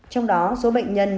trong đó số bệnh nhân